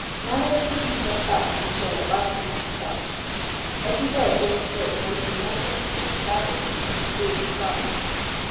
Mallow threw himself back in his chair biting his moustache. Every word Jennings spoke made him more confident that Basil had something to do with the crime.